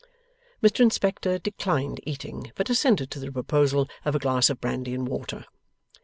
Mr Inspector declined eating, but assented to the proposal of a glass of brandy and water.